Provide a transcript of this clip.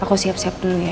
aku siap siap dulu ya